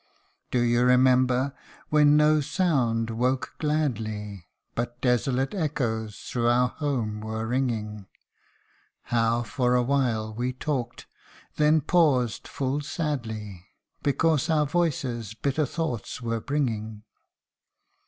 Do you remember when no 9und Voke gladly, But desolate echoes through our home were ringing, How for a while we talked then paused full sadly, Because our voices bitter thoughts were bringing